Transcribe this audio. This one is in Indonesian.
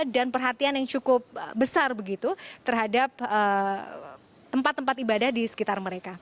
dan perhatian yang cukup besar begitu terhadap tempat tempat ibadah di sekitar mereka